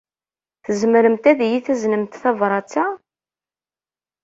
Tzemremt ad iyi-taznemt tabṛat-a?